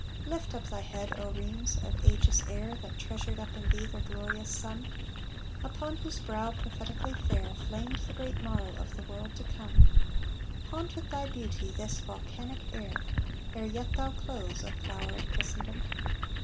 Lift up thy head, O Rheims, of ages heir That treasured up in thee their glorious sum; Upon whose brow, prophetically fair, Flamed the great morrow of the world to come; Haunt with thy beauty this volcanic air Ere yet thou close, O Flower of Christendom!